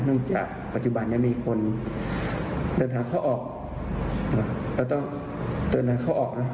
เนื่องจากปัจจุบันนี้มีคนเดินหาเขาออกเราต้องเดินหาเขาออกเนอะ